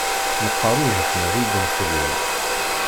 Meqqeṛ ujeḥniḍ ubenferriw.